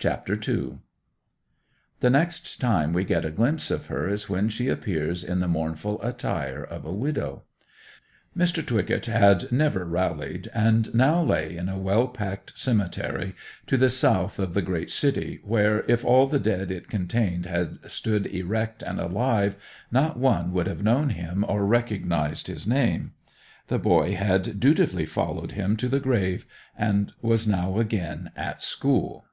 CHAPTER II The next time we get a glimpse of her is when she appears in the mournful attire of a widow. Mr. Twycott had never rallied, and now lay in a well packed cemetery to the south of the great city, where, if all the dead it contained had stood erect and alive, not one would have known him or recognized his name. The boy had dutifully followed him to the grave, and was now again at school.